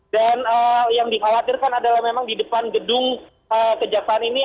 dan yang dikhawatirkan adalah memang di depan gedung kejaksaan ini